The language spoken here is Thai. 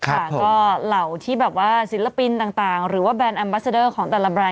ก็เหล่าที่ศิลปินต่าง